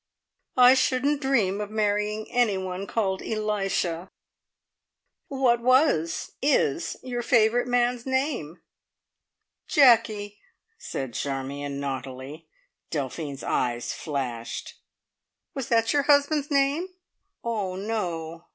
"I shouldn't dream of marrying anyone called Elisha." "What was is your favourite man's name?" "Jacky," said Charmion naughtily. Delphine's eyes flashed. "Was that your husband's name?" "Oh no."